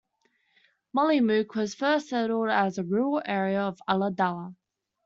Mollymook was first settled as a rural area of Ulladulla.